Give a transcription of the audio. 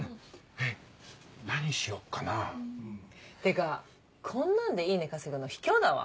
えっ何しよっかな？ってかこんなんでいいね稼ぐの卑怯だわ。